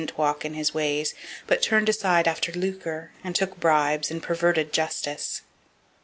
008:003 His sons didn't walk in his ways, but turned aside after lucre, and took bribes, and perverted justice.